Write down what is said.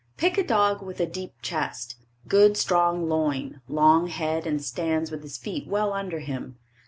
Pick a dog with a deep chest, good strong loin, long head and stands with his feet well under him.